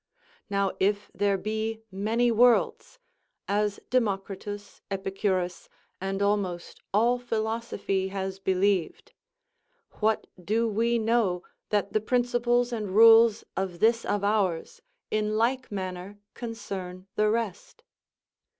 Now if there be many worlds, as Democritus, Epicurus, and almost all philosophy has believed, what do we know that the principles and rules of this of ours in like manner concern the rest?